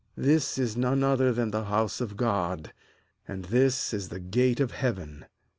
this is none other than the house of God. and this is the gate of heaven.'